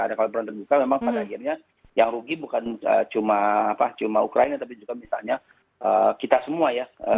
ada kalau bulan terbuka memang pada akhirnya yang rugi bukan cuma ukraina tapi juga misalnya kita semua ya